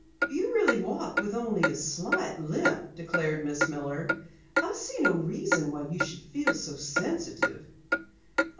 "You really walk with only a slight limp," declared Miss Miller. "I see no reason why you should feel so sensitive."